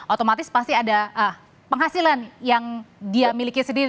otomatis pasti ada penghasilan yang dia miliki sendiri